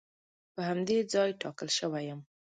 په همدې ځای ټاکل شوی یم.